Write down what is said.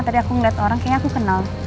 tadi aku ngeliat orang kayaknya aku kenal